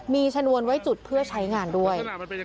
มีชนวนไว้จุดเพื่อใช้งานด้วย